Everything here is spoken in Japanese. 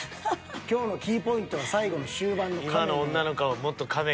今日のキーポイントは最後の終盤のカメの絵。